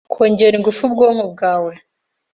Kongerera ingufu ubwonko bwawe